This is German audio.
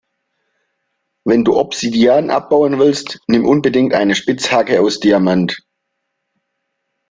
Wenn du Obsidian abbauen willst, nimm unbedingt eine Spitzhacke aus Diamant.